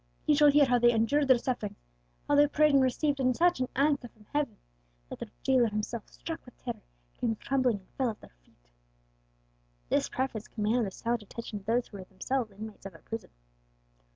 You shall hear how they endured their sufferings, how they prayed and received such an answer from Heaven, that their jailer himself, struck with terror, came trembling and fell at their feet." This preface commanded the silent attention of those who were themselves inmates of a prison.